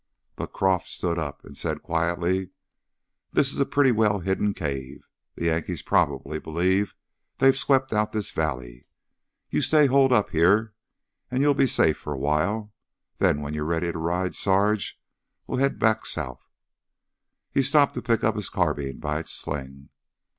But Croff stood up and said quietly: "This is a pretty well hidden cave. The Yankees probably believe they've swept out this valley. You stay holed up here, and you're safe for a while. Then when you're ready to ride, Sarge, we'll head back south." He stopped to pick up his carbine by its sling.